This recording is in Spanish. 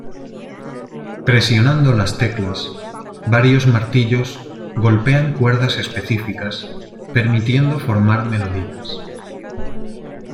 Presionando las teclas varios martillos golpean cuerdas específicas, permitiendo formar melodías.